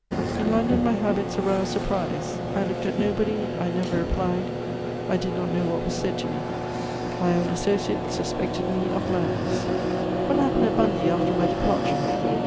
In London, my habits aroused surprise. I looked at nobody, I never replied, I did not know what was said to me: my old associates suspected me of madness. * What happened at Bungay after my departure?